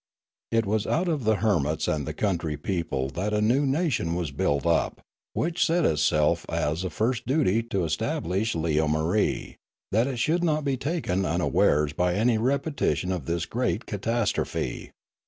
It was out of the hermits and the country people that a new na tion was built up, which set itself as a first duty to es tablish Leomarie, that it should not be taken unawares by any repetition of this great catastrophe.